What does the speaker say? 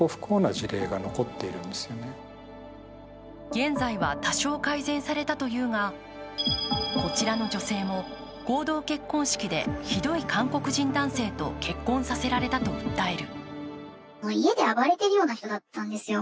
現在は多少改善されたというがこちらの女性も合同結婚式でひどい韓国人男性と結婚させられたと訴える。